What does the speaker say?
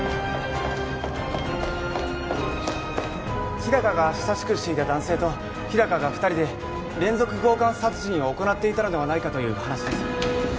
日高が親しくしていた男性と日高が二人で連続強姦殺人を行っていたのではないかという話です